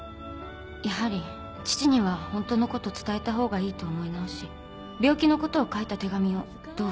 やはり父には本当のこと伝えたほうがいいと思い直し病気のことを書いた手紙を同封しました。